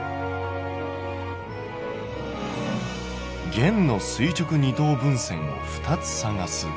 「弦の垂直二等分線を２つ探す」。